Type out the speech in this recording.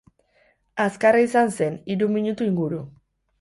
Azkarra izan zen, hiru minutu inguru.